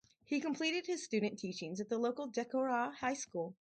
He completed his student teaching at the local Decorah High School.